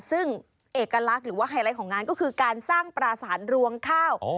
ซึ่งเอกลักษณ์หรือว่าไฮไลท์ของงานก็คือการสร้างปราสารรวงข้าว